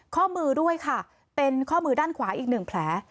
ข้อมือด้วยค่ะเป็นข้อมือด้านขวาอีกหนึ่งแผล